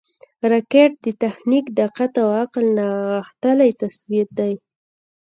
راکټ د تخنیک، دقت او عقل نغښتلی تصویر دی